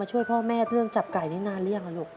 มาช่วยพ่อแม่เรื่องจับไก่นี่นานแล้วยัง